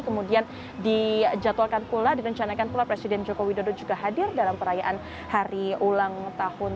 kemudian dijadwalkan pula direncanakan pula presiden joko widodo juga hadir dalam perayaan hari ulang tahun